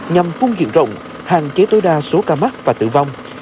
nhằm phun diện rộng hạn chế tối đa số ca mắc và tử vong